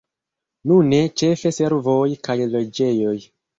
Nune ĉefe servoj kaj loĝejoj.